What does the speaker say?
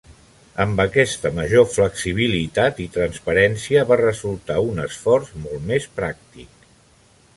Amb aquesta major flexibilitat i transparència, va resultar un esforç molt més pràctic.